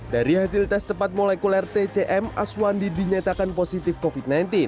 dari hasil tes cepat molekuler tcm aswandi dinyatakan positif covid sembilan belas